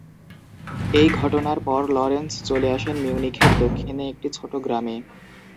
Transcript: এই ঘটনার পর লরেন্স চলে আসেন মিউনিখের দক্ষিণে একটি ছোটো গ্রামে।